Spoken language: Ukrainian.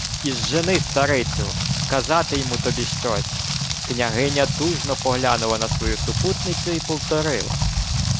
— Ізжени старицю, казати-йму тобі щось. Княгиня тужно поглянула на свою супутницю й повторила: